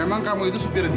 emang kamu itu supirnya dia